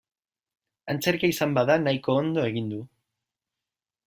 Antzerkia izan bada nahiko ondo egin du.